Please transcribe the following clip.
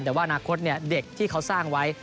แต่ว่าอนาคตเด็กที่เขาสร้างไว้